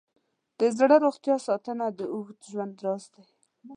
د زړه روغتیا ساتنه د اوږد ژوند راز دی.